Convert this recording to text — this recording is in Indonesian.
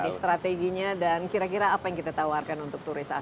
ini strateginya dan kira kira apa yang kita tawarkan untuk turis asing